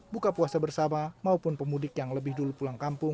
buka puasa bersama maupun pemudik yang lebih dulu pulang kampung